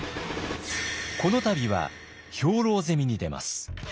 この度は兵糧攻めに出ます。